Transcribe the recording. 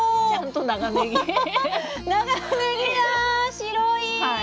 白い！